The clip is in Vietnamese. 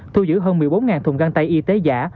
thu giữ hơn một mươi bốn thùng găng tay y tế giả